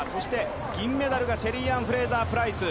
銀メダルがシェリー・アン・フレイザー・プライス。